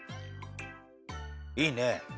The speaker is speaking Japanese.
いいね！